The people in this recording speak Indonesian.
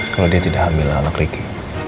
kalau dia tidak ambil anak ricky